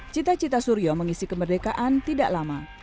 cita cita suryo mengisi kemerdekaan tidak lama